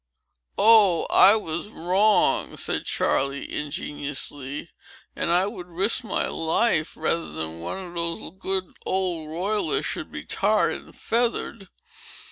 "Oh, I was wrong!" said Charley, ingenuously. "And I would risk my life, rather than one of those good old royalists should be tarred and feathered."